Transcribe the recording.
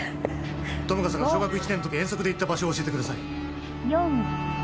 友果さんが小学１年の時遠足で行った場所を教えてください